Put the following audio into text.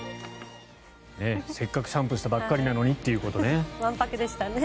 せっかくシャンプーしたばかりなのにということね。